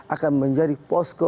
akan menjadi posko